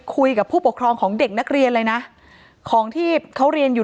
คุยกับผู้ปกครองของเด็กนักเรียนเลยนะของที่เขาเรียนอยู่